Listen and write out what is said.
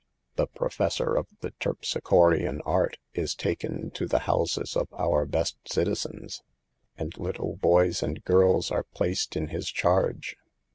The " professor of the Terpsichorean art " is taken to the houses of our best citizens, and little boys and girls are placed in his charge.